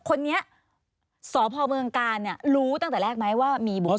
คนนี้สพเมืองกาลเนี่ยรู้ตั้งแต่แรกไหมว่ามีบุคค